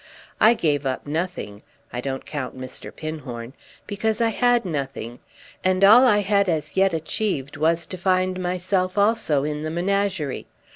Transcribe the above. I gave up nothing (I don't count Mr. Pinhorn) because I had nothing, and all I had as yet achieved was to find myself also in the menagerie.